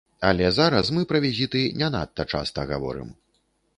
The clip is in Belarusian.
Але зараз мы пра візіты не надта часта гаворым.